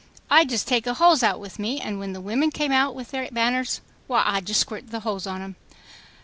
I'd just take a hose out with me and when the women came out with their banners, why I'd just squirt the hose on 'em